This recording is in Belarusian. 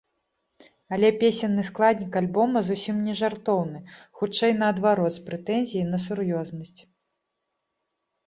Але песенны складнік альбома зусім не жартоўны, хутчэй наадварот, з прэтэнзіяй на сур'ёзнасць.